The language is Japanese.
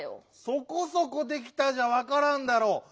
「そこそこできた」じゃわからんだろう。